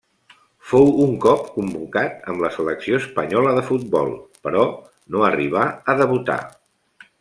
Fou un cop convocat amb la selecció espanyola de futbol però no arribà a debutar.